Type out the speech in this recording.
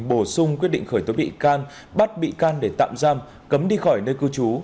bổ sung quyết định khởi tố bị can bắt bị can để tạm giam cấm đi khỏi nơi cư trú